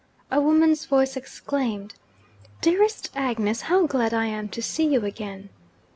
A woman's voice exclaimed, 'Dearest Agnes, how glad I am to see you again!'